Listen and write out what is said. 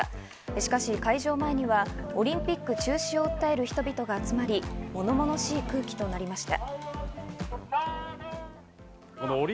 しかし会場前にはオリンピック中止を訴える人々が集まり、物々しい空気となりました。